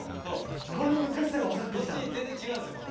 これのむずかしさが分かってきた。